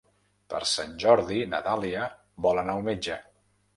Per Sant Jordi na Dàlia vol anar al metge.